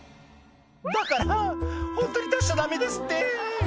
「だからぁホントに出しちゃダメですって」